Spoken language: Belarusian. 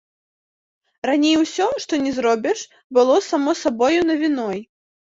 Раней усё, што не зробіш, было само сабою навіной.